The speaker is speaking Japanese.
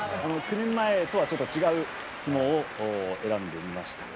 ９年前とは違う相撲を選んでみました。